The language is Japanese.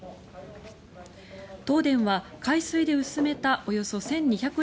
東電は海水で薄めたおよそ１２００